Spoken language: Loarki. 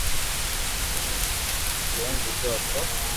جمم ليدو ھتو